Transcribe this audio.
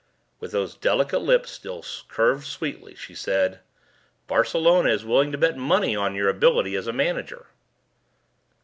With those delicate lips still curved sweetly, she said, "Barcelona is willing to bet money on your ability as a manager."